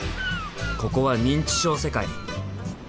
ここは認知症世界！